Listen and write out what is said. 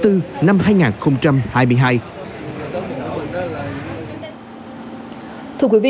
thưa quý vị thưa quý vị thưa quý vị thưa quý vị thưa quý vị thưa quý vị thưa quý vị